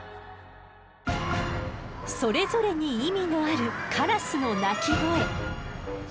それぞれに意味のあるカラスの鳴き声。